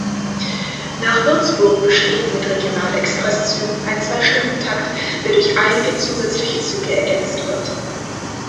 Nach Würzburg besteht mit Regional-Express-Zügen ein Zwei-Stunden-Takt, der durch einige zusätzliche Züge ergänzt wird.